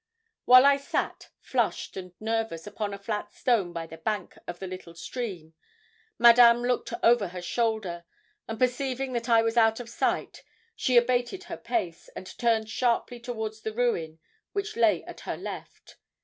While I sat, flushed and nervous, upon a flat stone by the bank of the little stream, Madame looked over her shoulder, and perceiving that I was out of sight, she abated her pace, and turned sharply towards the ruin which lay at her left.